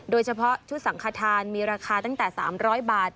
โดยเฉพาะชุดสังขทานมีราคาตั้งแต่๓๐๐บาท